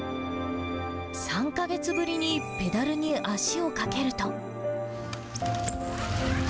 ３か月ぶりにペダルに足をかけると。